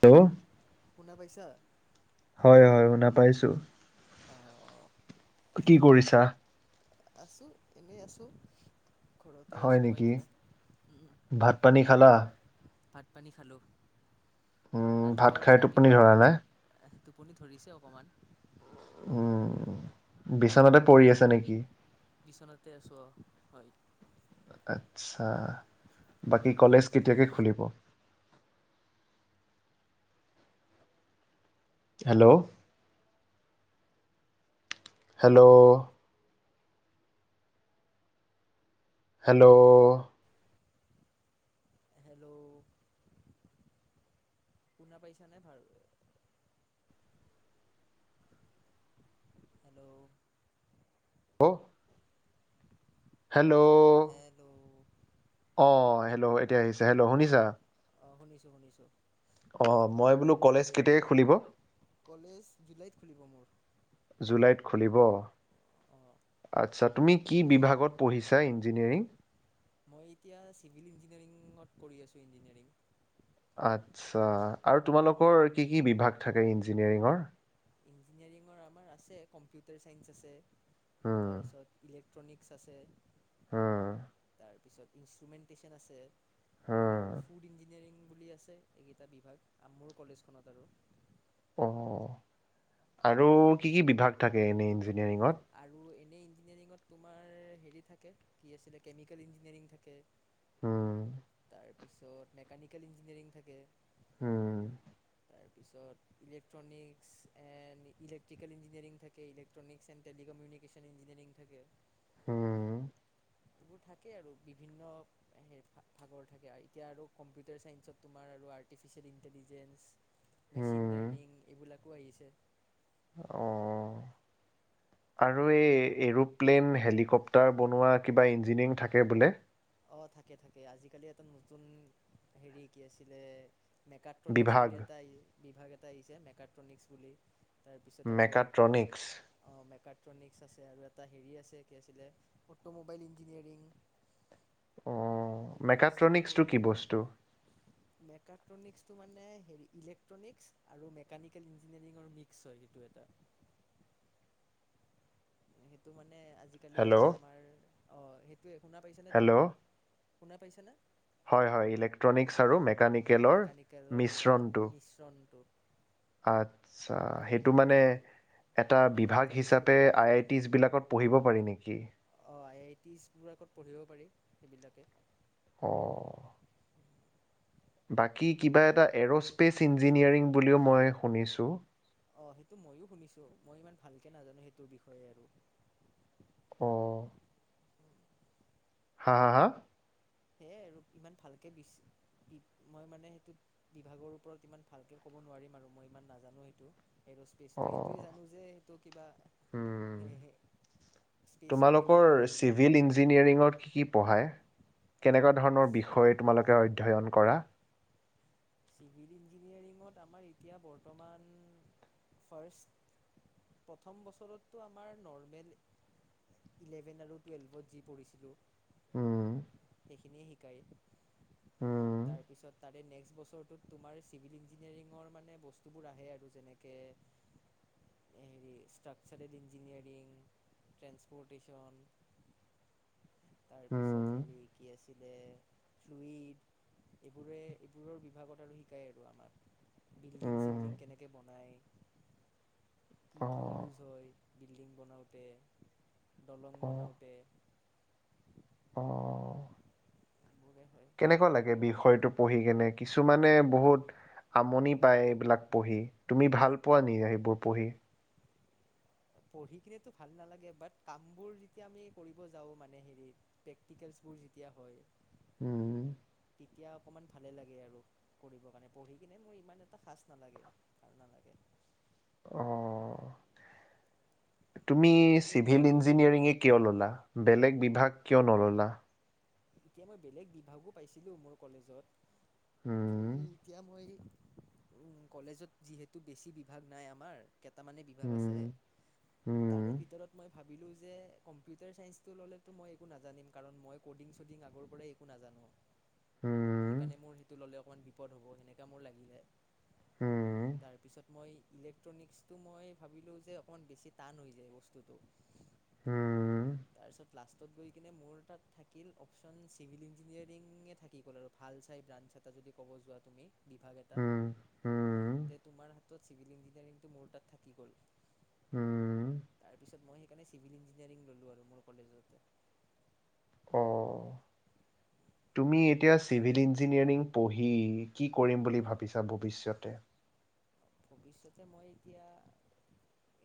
হ [unintelligible] শুনা পাইছা? হয়-হয় শুনাপাইছো। অ' কি কৰিছা? আছো এনেই আছো। হয় নেকি উম, ভাত পানী খালা? ভাত পানী খালোঁ। উম, ভাত ৰাতিপুৱাৰ খাই টোপনি ৰাতিপুৱাৰ ধৰা নাই? টোপনি ধৰিছে অকণমান। উম' বিছনাতে পৰি আছে নেকি? বিচনাতে আছো হয়। আচ্ছা, বাকী কলেজ কেতিয়াকে খুলিব? হেল্ল', হেল্ল', হেল্ল', হেল্ল' শুনা পাইছানে ভাল হেল্ল' হ [unintelligible] হেল্ল' অ হেল্ল' এতিয়া আহিছে হেল্ল' শুনিছা। অঁ শুনিছোঁ শুনিছোঁ। অঁ মই বোলো কলেজ কেতিয়াকৈ খুলিব? কলেজ জুলাইত খুলিব মোৰ। জুলাইত খুলিব অ'। আচ্ছা, তুমি কি বিভাগত পঢ়িছা ইঞ্জিনিয়াৰিং? মই এতিয়া চিভিল ইঞ্জিনিয়াৰিঙত কৰি আছো ইঞ্জিনিয়াৰিং। আচ্ছা আৰু তোমালোকৰ কি কি বিভাগ থাকে ইঞ্জিনিয়াৰিঙৰ? ইঞ্জিনিয়াৰিঙৰ আমাৰ আছে, কম্পিউটাৰ চাইন্স আছে। তাৰপিছত ইলেক ট্ৰনিক্স আছে। হম। তাৰপিছত ইষ্ট্ৰোমেনটেচন আছে। আৰু হুম। ফুড ইঞ্জিনিয়াৰিং বুলি আছে এইকেইটা বিভাগ, মোৰ কলেজখনত আৰু। উ, আৰু কি কি বিভাগ থাকে এনে ইঞ্জিনিয়াৰিঙত। এ ইঞ্জিনিয়াৰিঙত তোমাৰ হেৰি থাকে, কি আছিলে কেমিকেল ইঞ্জিনিয়াৰিং থাকে। হম। তাৰপিছত মেকানিকেল ইঞ্জিনিয়াৰিং থাকে। হম। তাৰপিছত ইলেক্ট্ৰনিক্স এণ্ড ইলেক্ট্ৰিকেল ইঞ্জিনিয়াৰিং থাকে ইলেক্ট্ৰনিক্স এণ্ড টেলিকমিউনিকেশ্যন ইঞ্জিনিয়াৰিং থাকে। উম। এইবোৰ থাকে আৰু বিভিন্ন ভাগৰ থাকে আৰু এতিয়া আৰু কম্পিউটাৰ চাইন্সত তোমাৰ আৰু আৰ্টিফিচিয়েল ইন্টেলিজেঞ্চ মেচিন হুম। লাৰ্নিং এইবিলাক ধুব আহিছে। অ', তাৰে আৰু এই ভিতৰত এৰোপ্লেন হেলিকপটাৰ তাৰ বনোৱা কিবা ইঞ্জিনিয়াৰিং থাকে বোলে। অ, থাকে থাকে আজিকালি এটা নতুন হেৰি কি আছিলে। মেকাট্ৰনিক্স বিভাগ বুলি এটা ই বিভাগ এটা আহিছে এলেক্ট্ৰনিকস বুলি তাৰপিছত আৰু অ, মেকাট্ৰনিক্স। মেকা ট্ৰনিস আছে আৰু এটা হেৰি আছে কি আছিলে অটমোবাইল ইঞ্জিনিয়াৰিং। অ, এইবোৰ মেক্ট্ৰনিক্ছটো কি বস্তু? মেক্ট্ৰনিকসটো মানে হলেৰনিক আৰু মেকানিকেল ইঞ্জিনিয়াৰিৰ মিক্স হয় সেইটো এটা এনে তোমাৰ মানে আজিকালি হেল্ল', আমাৰ ত শুনা পাইছানে তুমি? শুনা পাইছা নে? হয়-হয় ইলেক্ট্ৰিনিছ আৰু মে মেকানিকেলৰ এটা মিশ্ৰণ। আচ্ছা, সেইটো মানে, এটা বিভাগ মেকাট্ৰনিক্স হিচাপে বুলি কোৱা আই যায় আই টিচ বিলাকত পঢ়িব পাৰি নেকি? হেই বিলাকে। অ', বাকী কিবা এটা এৰ'স্পেচ ইঞ্জিনিয়াৰিং বুলিও মই শুনিছোঁ। অ', সেইটো মইয়ো শুনিছোঁ মই ইমান ভালকে নাজানোঁ সেইটো বিষয়ে আৰু। অ', হা আহ? সেয়ে আৰু ইমান ভালকে বেছি, মই মানে সেইটো বিভাগৰ ওপৰত ইমান ভালকে ক'ব নোৱাৰিম আৰু মই ইমান নাজানো সেইটো। এৰোস্পেচটো এইটোৱে অঁ জানো যে সেইটো কিবা, হুম। স্পেচৰ তোমালোকৰ ৰিলেটেড সেইবিলাক চিভিল কেনেকুৱা হয় ইঞ্জিনিয়াৰিঙত কি কি পঢ়ায় আৰু। কেনেকুৱা ধৰণৰ বিষয় তোমালোকে অধ্যয়ন কৰা? চিভিল ইঞ্জিনিয়াৰিত আমাৰ এতিয়া বৰ্তমান ফাৰ্ষ্ট, প্ৰথম বছৰতটো আমাৰ নৰ্মেল ইলেভেন আৰু টোৱেলপ যি পঢ়িছিলোঁ। হুম, সেইখিনিয়ে শিকায়। তাৰপিছত তাৰে নেক্সট বছৰ তোমাৰ চিভিল ইঞ্জিনিয়াৰিঙৰ মানে বস্তুবোৰ আহে আৰু যেনেকে, হেৰি ষ্ট্ৰাকচাৰেল ইঞ্জিনিয়াৰিং ট্ৰেসপৰ্টেশচন। তাৰপিছত হেৰি কি আছে [unintelligible] এইবোৰে এইবোৰৰ বিভাগত আৰু শিকায় আৰু আমাক। বিল্ডিং, - চিল্ডিং কেনেকে বনাই? কি কি? অঁ ইউজ হয় বিল্ডিং বনাওঁতে দলং বনাওঁতে। অহ। এইবোৰে হয় কেনেকুৱা লাগে বিষয়টো পঢ়ি কেনে কিছুমানে বহুত আমনি পাই এইবিলাক। পৰি তুমি ভালোৱা নি এইবোৰ পঢ়ি? পঢ়ি কিনে টো ভাল নালাগে বাত কামবোৰ যেতিয়া আমি কৰিব যাও মানে - - উম। তেতিয়া অকণমান ভালে লাগে আৰু পৰিকিনে মৰ ইমান এটা খাজ নালাগে ভাল নালাগে অ। তুমি খালি মোৰ চিভিল ইঞ্জিনিয়াৰি কিয় ললা? বেলেগ বিভাগ কিয় নল'লা? এতিয়া মই বেলেগ বিভাগো পাইছিলো মোৰ কলেজত। উম, এতিয়া মই উম কলেজত যিহেতু বেছি বিভাগ নাই। আমাৰ কেইটামানে বিভাগ আছে। উম, তাৰে উম, ভিতৰত মই ভাবিলোঁ যে কম্পিউটাৰ ছাইন্সটো ল'লে তো মই একো নাজানিম কাৰণ মই ক'ডিং চদি আগৰ পৰাই একো নাজানো উম, সেইকাৰণে মোৰ সেইটো ললো। অকণমান বিপদ হ'ব সেনেকুৱা মোৰ লাগিলে। উম, তাৰ পিছত মই। ইলেক্ট্ৰনিক্ছটো মই ভাবিলোঁ যে অকণমান বেছি টান হৈ যায় বস্তুটো। হম। তাৰপিছত লাষ্টত গৈ কিনে মোৰ তাত থাকিল অপশ্যচন চিভিল ইঞ্জিনিয়াৰি-ঙে থাকি গ'ল আৰু, ভাল চাই ব্ৰাঞ্চ এটা যদি ক'ব যোৱা তুমি বিভাগ এটা, উম, উম, তে তোমাৰ হাত তাত চিভিল ইনঞ্জিনিয়াৰিংটো মোৰ তাত থাকি গ'ল। উম, তাৰপিছত মই হেক কেনে চিভিল ইঞ্জিনিয়াৰিং ল'লো আৰু মোৰ কলেজতে অ', তুমি এতিয়া চিভিল ইঞ্জিনিয়াৰিং পঢ়ি কি কৰিম বুলি হয় ভাবিছা ভৱিষ্যতে। ভৱিষ্যতে মই এতিয়া,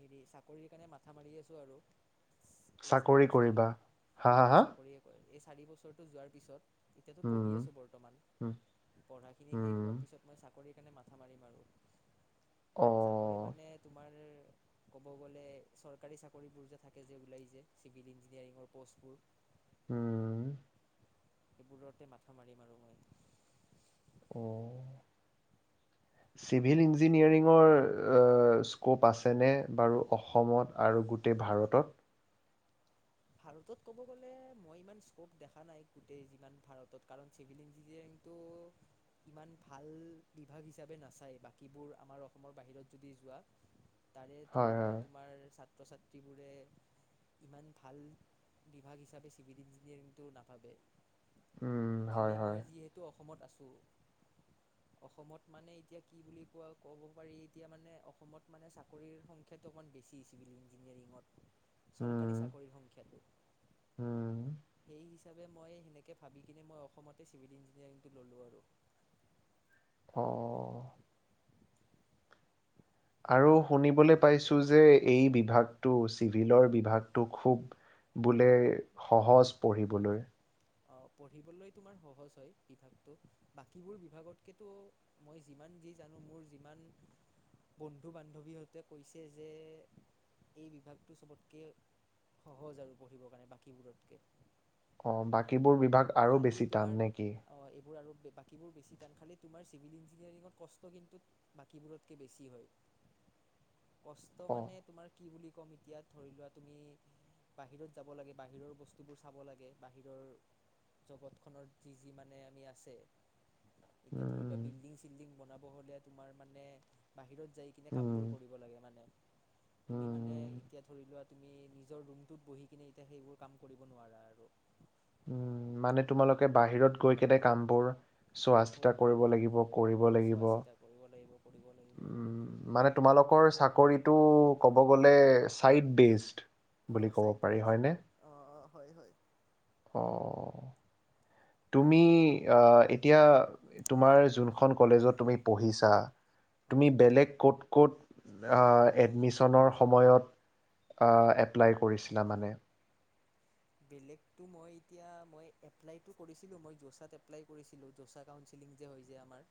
হেৰি চাকৰিৰ কাৰণে মাথা মাৰি আছোঁ আৰু। এই চাৰি চাকৰি কৰিবা? বছৰৰতোক, হা, হা, অ', হা? চাকৰিয়ে কৰে। চাৰি বছৰটো যোৱাৰ পিছত। এতিয়াতো উম। পঢ়ি আছোঁ বৰ্তমান অ পঢ়াখিনি শেষ হোৱাৰ পিছত মই চাক। কৰি কেনে। চাকৰি মানে তোমাৰ। ক'ব গ'লে চৰকাৰী চাকৰিবোৰ যে থাকে যে ওলাই যে চিভিল ইঞ্জিনিয়াৰিঙৰ পষ্টবোৰ। উম। সেইবোৰতে মাথা মাৰি মাৰোঁ মই। অহ। চিভিল ইঞ্জিনিয়াৰিঙৰ স্ক'প আছেনে বাৰু অসমত আৰু গোটেই ভাৰতত। ভাৰতত ক'ব গ'লে মই ইমান স্কপ দেখা নাই গোটেই যিমান ভাৰতত কাৰণ চিভিল ইঞ্জিনিয়াৰিংটো ইমান ভাল বিভাগ হিচাপে নাচায় বাকীবোৰ আমাৰ অসমৰ বাহিৰত যদি যোৱা। তাৰে ধৰি হয় লোৱা হয় তোমাৰ চাট। ছাত্ৰ-ছাত্ৰীবোৰে ইমান। ভাল বিভাগ হিচাপে চিভিল ইঞ্জিনিয়াৰিংটো নাভাবে। উম হয় খালি হয় মই যিহেতু অসমত আছোঁ [unintelligible] অসমত মানে এতিয়া কি বুলি কোৱা ক'ব পাৰি এতিয়া মানে অসমত মানে চাকৰিৰ সংখ্যাটো অকণমান বেছি চিভিল ইঞ্জিনিয়াৰিঙত। চৰকাৰী উম চাক। সংখ্যটো উম সেই হিচ্‌ চাপে মই সেনেকে ভাবি কিনে মই অসমতে চিভিল ইঞ্জিনিয়াৰিংটো ললোঁ আৰু। অ'। আৰু শুনিবলৈ পাইছোঁ যে, এই বিভাগটো, চিভিলৰ বিভাগটো, খুব বোলে সহজ পঢ়িবলৈ। অ', পঢ়িবলৈ তোমাৰ সহজ হয় বিভাগটো। বাকীবোৰ বিভাগতকেটো মই যিমান যি জানোঁ, মোৰ যিমান বন্ধু বান্ধৱীহঁতে কৈছে যে, এই বিভাগটো চবতকে সহজ আৰু পঢ়িব কাৰণে বাকীবোৰতকে। অ', বাক বাকীবোৰ বিভাগ আৰু বেছি তোমাৰ টান নে কি? অ' এইবোৰ আৰু বাকীবোৰ বেছি টান, খালী তোমাৰ চিভিল ইঞ্জিনিয়াৰিঙত কষ্ট কিন্তু, বাকীবোৰতকৈ বেছি হয়। কষ্ট অ মানে তোমাৰ কি বুলি কম এতিয়া ধৰি লোৱা তুমি বাহিৰত যাব লাগে, বাহিৰৰ বস্তুবোৰ চাব লাগে, বাহিৰৰ জগত খনৰ যি যি মানে আমি আছে এতিয়া ধৰি লওোৱা উম বিল্ডিং চিল্ডিং বনাব নহ'লে তোমাৰ মানে, বাহিৰত যাই কিনে কামবোৰ উম কৰিব লাগে মানে তুমি মানে উম এতিয়া ধৰি লোৱা তুমি নিজৰ ৰুমটোত বহি কিনে এতিয়া সেইবোৰ কাম কৰিব নোৱাৰা আৰু। উম, মানে তোমালোকে বাহিৰত গৈ কেনে কামবোৰ চোৱা চিতা কৰিব লাগিব, কৰিব অ' চোৱা লাগিব, চিতা কৰিব লাগিব কৰিব লাগিব উম' মানে তোমালোকৰ চাকৰিটো ক'ব গলে চাইটবেষ্ট অঁ বুলি ক'ব চাইড পাৰি। বেচ হয়নে? অঁ অঁ হয় হয়। অঁ, তুমি আহ এতিয়া তোমাৰ যোনখন কলেজত তুমি পঢ়িছা তুমি হয় বেলেগ ক'ত ক'ত আ এডমিশনৰ সময়ত আ' এপ্লাই কৰিছিলা মানে? বেলেগতো মই এতিয়া, মই এপ্লাই কৰিছিলোঁ মই জৌছাত এপ্লাই কৰিছিলোঁ, জৌছা গাওন, চিলিং যে হয় যে আমাৰ।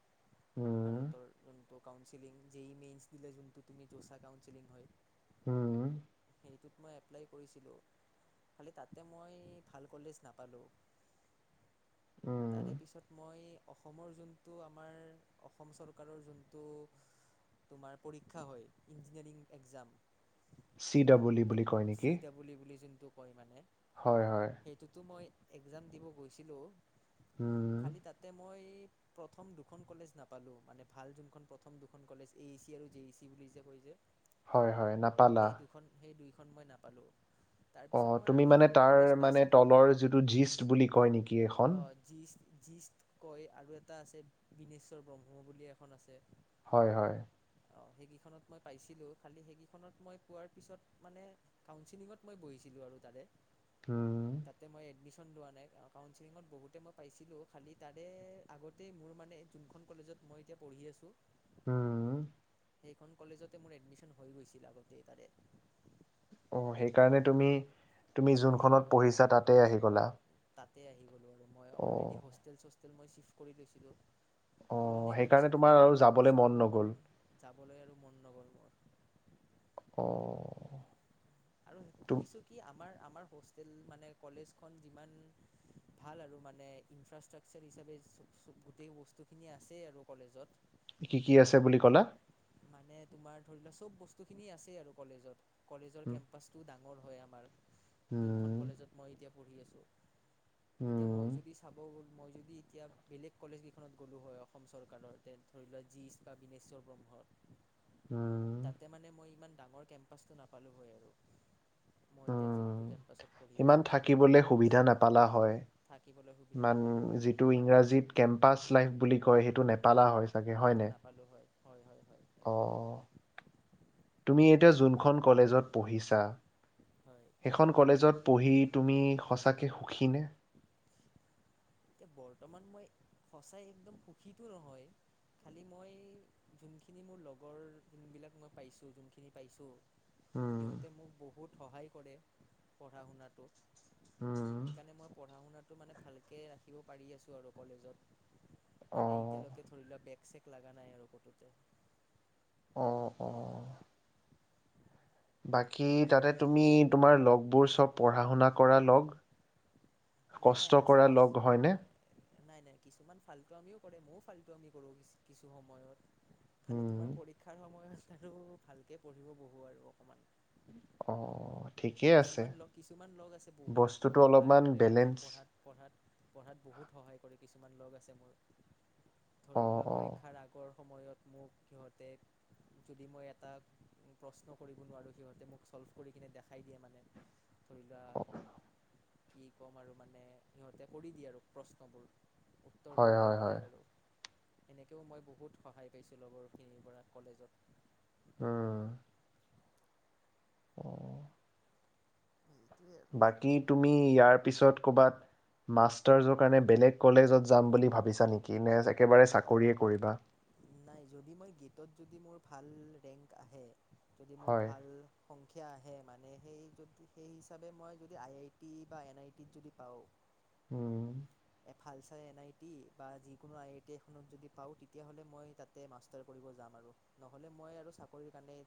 উম, ভাৰতৰ যোন কাউন্সিল [unintelligible] যোনটো তুমি জৌছা কাউন্সিল হয় হম। হেটোত মই এপ্লাই কৰিছিলোঁ, খালি তাতে মই ভাল কলেজ নাপালোঁ। উম। তাৰে পিছত মই অসমৰ যোনটো আমাৰ অসম চৰকাৰৰ যোনটো তোমাৰ পৰীক্ষা হয়, engineering exam C double E বুলি কয় নেকি? টো কয় মানে হয়, হয়। সেইটো তো মই এক্সাম দিব গৈছিলোঁ। উম। খালি তাতে মই। প্ৰথম দুখন কলেজ নাপালোঁ, মানে ভাল যোনখন প্ৰথম দুখন কলেজ এ চি আৰু জে ই চি বুলি যে কৈছে। হয়, হয়, নাপালা। দুইখন মই নাপালোঁ। তাৰপিছত অ' মই আৰু তুমি মানে এখন তাৰ কলেজ মানে পাইছিলোঁ তলৰ যিটো জিষ্ট বুলি কয় নেকি এ অ' জিচ জিষ্ট কয় আৰু এটা আছে বিনেশ্বৰ ব্ৰহ্ম বুলি এখন আছে। হয় হয়। অ' সেইকেইখনত মই পাইছিলো খালি সেইকেইখনত মই পোৱাৰ পিছত মানে কাউচিলিঙত মই বহিছিলো। আৰু তাৰে উম তাতে মই এডমিশন খন লোৱা নাই একা বহুতে মই পাইছিলো খালি, তাৰে আগতেই মোৰ মানে যোনখন কলেজত মই এতিয়া পঢ়ি আছো উম। সেইখন কলেজতে মোৰ এডমিশ্যন হৈ গৈছিল আগতে তাৰে। অ', সেইকাৰণে তুমি তুমি যোনখনত পঢ়িছা তাতেই আহি গ'লা। তে আহি গ'লো আৰু মই অ অ'লৰেডি হোষ্টেল-চছ মই ছিফ্ট কৰি লৈছিলো অ সলনি সেইকাৰণে কৰিছিলো তোমাৰ মানে আৰু মই যাবলৈ মন বস্তুবোৰ নগ'ল মানে, যাবলৈ আৰু মন নগ'ল মোৰ। অ'। আৰু তুম শুনিছো কি আমাৰ আমাৰ হোষ্টেল মানে কলেজখন যিমান ভাল আৰু মানে ইনফ্ৰাষ্ট্ৰাকচাৰ হিচাপে চ-গোটেই বস্তুখিনি আছে আৰু কলেজত। কি কি আছে বুলি ক'লা? মানে তোমাৰ ধৰি লোৱা চব বস্তুখিনি আছেই আৰু কলেজত। কলেজৰ উম কেম্পাচটো ডাঙ মোৰ হয় আমাৰ যোনখন উম কলেজত মই এতিয়া পঢ়ি আছোঁ এতিয়া মই উম যদি চাব গ মই যদি এতিয়া বেলেগ কলেজ কেইখনত গ'লোঁ হয়, অসম চৰকাৰৰ তে ধৰি লোৱা জীচ, কাবিনেশ্বৰ, ব্ৰহ্মত তাতে মানে মই ইমান ডাঙৰ কেম্পাচটো নাপালোঁ হয় আৰু। মই এতিয়া যোনটো উম কেম সিমান থাকিবলৈ সুবিধা নাপালা হয়। থাকিবলৈ সুবিধা নাপালোঁ হয় মই মান-যিটো ইংৰাজীত কেম্পাচ লাইফ বুলি কয় সেইটো নেপালা হয় অঁ ছাগে, সেইটো হয়নে? নাপালোঁ হয় হয় হয় হয় একদম অ'। তুমি এতিয়া যোনখন কলেজত পঢ়িছা হয় সেইখন কলেজত পঢ়ি তুমি সঁচাকে সুখী নে? এতিয়া বৰ্তমান মই সঁচাই একদম সুখীতো নহয় খালি মই যোনখিনি মোৰ লগৰ যোনবিলাক মই পাইছো যোনখিনি পাইছো উম সিহঁতে মোক বহু বহুত সহায় কৰে পঢ়া শুনাটোত উম সেইকাৰণে মই পঢ়া শুনাত ৰাখিব পাৰি আছো আৰু কলেজত অ মানে এতিয়ালৈকে ধৰি লোৱা বেগ চেক লাগা নাই আৰু কতোতে অ অ বাকী তাতে তুমি তোমাৰ লগবোৰ চব পঢ়া শুনা কৰা লগ নাই নাই কষ্ট আছে কৰা কিছু লগ হয়নে? নাই - নাই কিছুমান ফাল্টু আমিও কৰে ময়ো ফাল্টু আমি কৰো কিছু সময়ত খালি উম তোমাৰ পৰীক্ষাৰ সময়ত আৰু ভালকে পঢ়িব বহো আৰু অকমান অ ঠিকেই আছে কিছুমান লগ কিছুমান লগ আছে বহুত বস্তুটো মোক সহায় অলপমান কৰে মানে বেলেঞ্চ পঢ়াত - পঢ়াত পঢ়াত বহুত সহায় কৰি কিছুমান লগ আছে মোৰ অ ধৰি লোৱা অ পৰীক্ষাৰ আগৰ সময়ত মোক সিহঁতে যদি মই এটা প্ৰশ্ন কৰিব নোৱাৰোঁ সিহঁতে মোক চল্ভ কৰি কিনে দেখাই দিয়ে মানে অ [unintelligible] কি ক'ম আৰু? মানে সিহঁতে কৰি দিয়ে আৰু প্ৰশ্নবোৰ উত্তৰটোও হয় ওলাই হয় হয় দিয়ে আৰু। এনেকেও মই বহুত সহায় পাইছিলো লগৰখিনিৰ পৰা কলেজত উম, অ', সেইটোৱে বাকী তুমি ইয়াৰ পিছত কৰবাত মাষ্টাৰৰ কাৰণে বেলেগ কলেজত যাম বুলি ভাবিছা নি? কি নে একেবাৰে চাকৰিয়ে আৰু কৰিবা। নাই যদি মই গেটত যদি মোৰ ভাল ৰেংক আহে। যদি মোৰ হয় ভাল সংখ্যা আহে মানে সেই যদি সেই হিচাপে মই যদি আই আই টি বা এন আই টিত যদি পাওঁ। উম। ভাল চাই এন আই টি বা যিকোনো আই আই টি এখনত য পা তেতিয়া হলে মই তাতে মাষ্টাৰ কৰিব যাম আৰু নহলে মই আৰু চৰি কাৰণে।